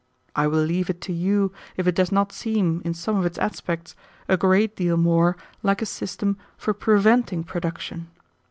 I will leave it to you if it does not seem, in some of its aspects, a great deal more like a system for preventing production.